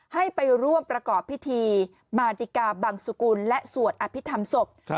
ให้ไปร่วมประกอบพิธีมาติกาบังสุกุลและสวดอภิษฐรรมศพ